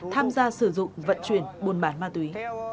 tham gia sử dụng vận chuyển buôn bán ma túy